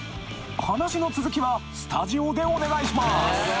話の続きはスタジオでお願いします！